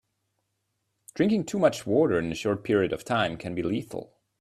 Drinking too much water in a short period of time can be lethal.